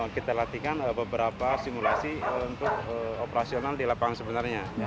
kita latihkan beberapa simulasi untuk operasional di lapangan sebenarnya